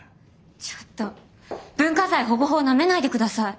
ちょっと文化財保護法なめないでください。